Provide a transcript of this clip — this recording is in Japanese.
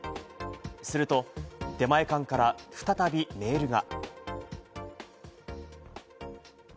すると出前館から再びメールが。